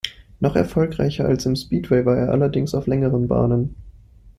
Noch erfolgreicher als im Speedway war er allerdings auf längeren Bahnen.